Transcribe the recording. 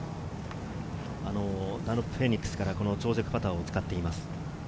ダンロップフェニックスから長尺パターを使っています。